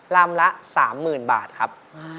ลำละ๓หมื่นบาทครับ